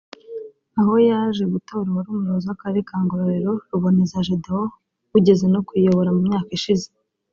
aho yaje gutora uwari Umuyobozi w’Akarere ka Ngororero Ruboneza Gedeon wigeze no kuyiyobora mu myaka ishize